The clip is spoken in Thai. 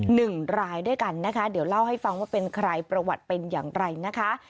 หนึ่งรายด้วยกันนะคะเดี๋ยวเล่าให้ฟังว่าเป็นใครประวัติเป็นอย่างไรนะคะ